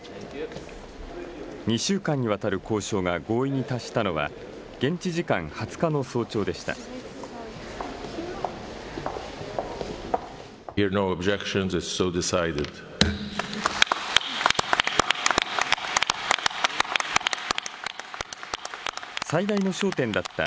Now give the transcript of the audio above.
２週間にわたる交渉が合意に達したのは、現地時間２０日の早朝でした。